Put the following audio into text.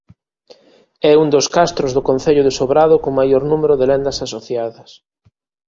É un dos castros do concello de Sobrado con maior número de lendas asociadas.